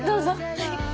はい。